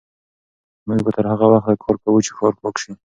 موږ به تر هغه وخته کار کوو چې ښار پاک شي.